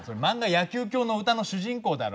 「野球狂の詩」の主人公だろ